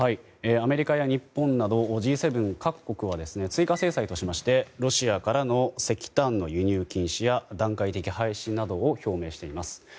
アメリカや日本などＧ７各国は追加制裁としましてロシアからの石炭の輸入禁止や段階的廃止などを表明しています。